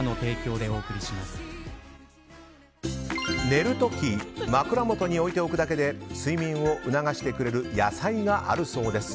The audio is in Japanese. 寝る時枕元に置いておくだけで睡眠を促してくれる野菜があるそうです。